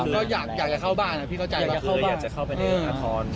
พี่บ้านไม่อยู่ว่าพี่คิดดูด